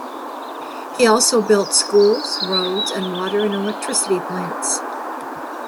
He also built schools, roads, and water and electricity plants.